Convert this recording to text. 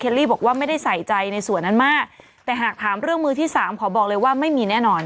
ลี่บอกว่าไม่ได้ใส่ใจในส่วนนั้นมากแต่หากถามเรื่องมือที่สามขอบอกเลยว่าไม่มีแน่นอน